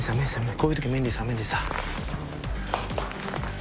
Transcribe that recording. こういうときメンディーさんメンディーさん。